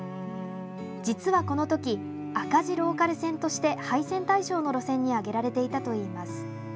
実は、この時赤字ローカル線として廃線対象の路線に挙げられていたといいます。